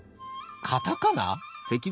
カタカナ？